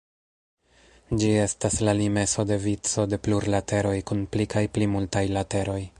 Ĝi estas la limeso de vico de plurlateroj kun pli kaj pli multaj lateroj.